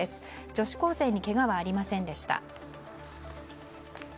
女子高生にけがはありませんでした。